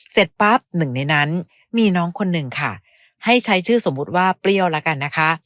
เสร็จปั๊บหนึ่งในนั้นมีน้องคนหนึ่งค่ะให้ใช้ชื่อสมมุติว่าเปรี้ยวแล้วกันนะคะ